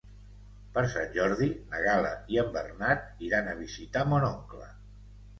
Per Sant Jordi na Gal·la i en Bernat iran a visitar mon oncle.